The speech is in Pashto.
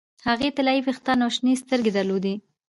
هغې طلايي ویښتان او شنې سترګې درلودې